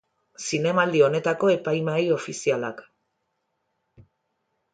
Zinemaldi honetako epaimahai ofizialak.